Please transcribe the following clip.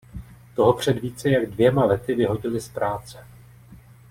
Toho před více jak dvěma lety vyhodili z práce.